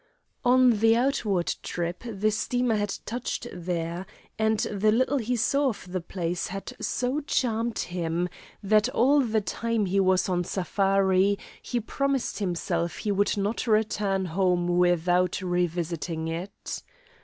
On the outward trip the steamer had touched there, and the little he saw of the place had so charmed him that all the time he was on safari he promised himself he would not return home without revisiting it.